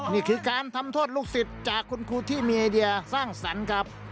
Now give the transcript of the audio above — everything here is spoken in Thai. นี่คือการทำโทษลูกศิษย์จากคุณครูที่มีไอเดียสร้างสรรค์ครับ